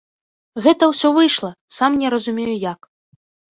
Гэта ўсё выйшла, сам не разумею як.